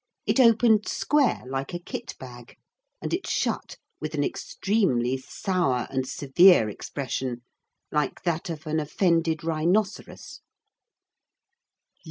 It opened square like a kit bag, and it shut with an extremely sour and severe expression like that of an offended rhinoceros.